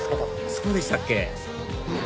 そうでしたっけ？